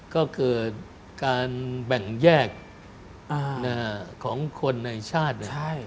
ก็เกิดการแบ่งแยกของคนในชาติ